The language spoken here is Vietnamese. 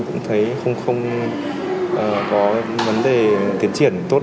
cũng thấy không có vấn đề tiến triển tốt